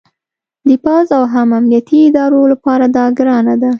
د پوځ او هم امنیتي ادارو لپاره دا ګرانه ده